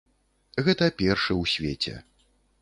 Гэта першы ў свеце.